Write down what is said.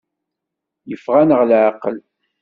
Yeffeɣ-aneɣ leɛqel.